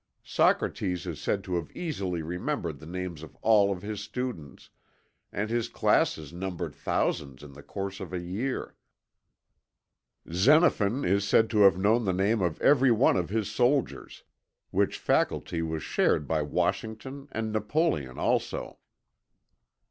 Socrates is said to have easily remembered the names of all of his students, and his classes numbered thousands in the course of a year. Xenophon is said to have known the name of every one of his soldiers, which faculty was shared by Washington and Napoleon, also.